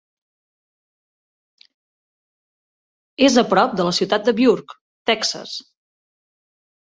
És a prop de la ciutat de Burke, Texas.